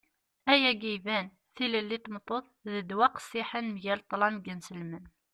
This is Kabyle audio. ayagi iban. tilelli n tmeṭṭut d ddwa qqessiḥen mgal ṭṭlam n yinselmen